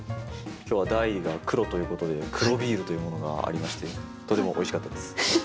今日は題が「黒」ということで黒ビールというものがありましてとてもおいしかったです。